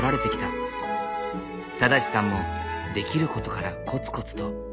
正さんもできることからコツコツと。